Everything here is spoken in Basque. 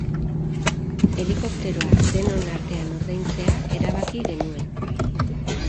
Helikopteroa denon artean ordaintzea erabaki genuen.